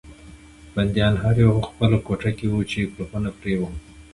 بندیان هر یو په خپله کوټه کې وو چې قلفونه پرې وو.